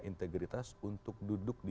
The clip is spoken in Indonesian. integritas untuk duduk di